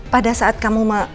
pada saat kamu mau